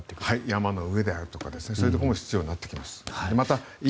山の上のほうとかそういうところも必要になってきます。